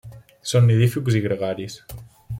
Són nidífugs i gregaris.